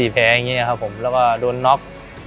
๓๔แผลอย่างนี้ครับผมแล้วก็โดนน็อค